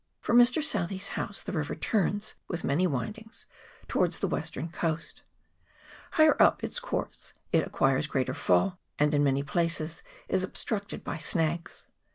From Mr. Southee's house the river turns, with many windings, towards the western coast. Higher up its course it acquires greater fall, and in many places is obstructed by snags.